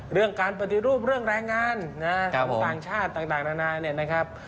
เรื่องการปฏิรูปเรื่องแรงงานของต่างชาติต่างนานาเนี่ยนะครับ